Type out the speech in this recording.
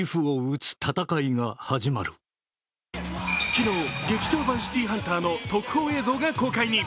昨日、「劇場版シティーハンター」の特報映像が公開に。